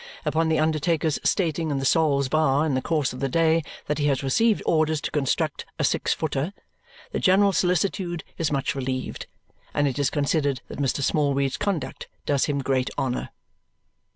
Upon the undertaker's stating in the Sol's bar in the course of the day that he has received orders to construct "a six footer," the general solicitude is much relieved, and it is considered that Mr. Smallweed's conduct does him great honour.